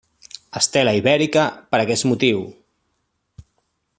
Estela Ibèrica per aquest motiu.